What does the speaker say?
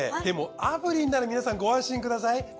でも炙輪なら皆さんご安心ください。